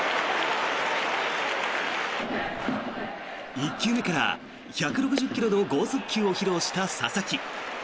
１球目から１６０ｋｍの豪速球を披露した佐々木。